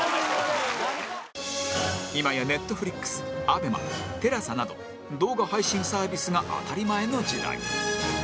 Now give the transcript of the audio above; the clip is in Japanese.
今や ＮｅｔｆｌｉｘＡＢＥＭＡＴＥＬＡＳＡ など動画配信サービスが当たり前の時代